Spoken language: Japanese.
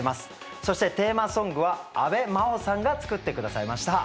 そしてテーマソングは阿部真央さんが作ってくださいました。